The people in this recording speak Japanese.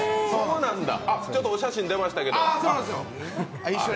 ちょっとお写真出ましたけど。